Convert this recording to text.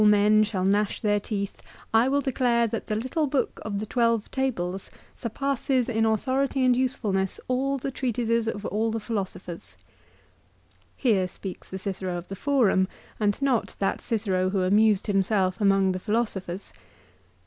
l " Though all men shall gnash their teeth, I will declare that the little book of the twelve tables surpasses in authority and usefulness all the treatises of all the philosophers." 2 Here speaks the Cicero of the Forum, and not that Cicero who amused himself among the philosophers.